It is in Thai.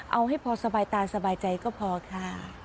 เอาให้พอสบายตาสบายใจก็พอค่ะ